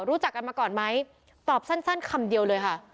รู้จักกันมาก่อนไหมตอบสั้นคำเดียวเลยค่ะ